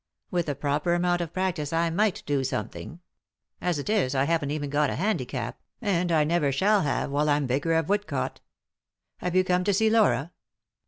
With a proper amount of practice I might do something ; as it is, I haven't even got a handicap, and I never shall have while I'm vicar of Woodcote. Have yon come to see Laura